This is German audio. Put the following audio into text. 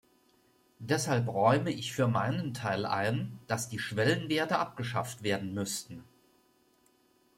Deshalb räume ich für meinen Teil ein, dass die Schwellenwerte abgeschafft werden müssten.